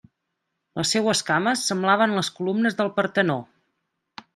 Les seues cames semblaven les columnes del Partenó.